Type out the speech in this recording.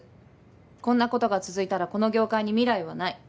こんなことが続いたらこの業界に未来はない。